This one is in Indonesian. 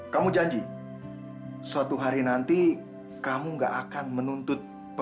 sampai jumpa di video selanjutnya